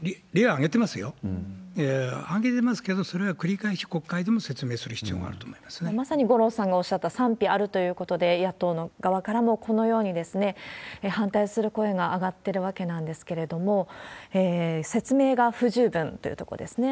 挙げてますけど、それは繰り返し国会でも説明する必要があると思まさに五郎さんがおっしゃった、賛否あるということで、野党の側からもこのように、反対する声が上がってるわけなんですけれども、説明が不十分というところですね。